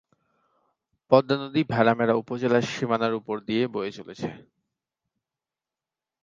পদ্মা নদী ভেড়ামারা উপজেলার সীমানার উপর দিয়ে বয়ে চলেছে।